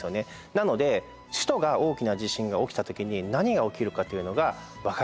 なので首都が大きな地震が起きた時に何が起きるかというのが分からないと。